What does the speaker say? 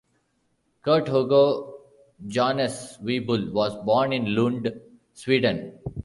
Curt Hugo Johannes Weibull was born in Lund, Sweden.